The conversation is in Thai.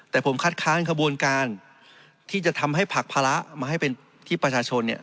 แต่ผมคัดค้านขบวนการที่จะทำให้ผลักภาระมาให้เป็นที่ประชาชนเนี่ย